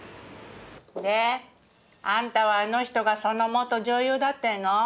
であんたはあの人がその元女優だっていうの？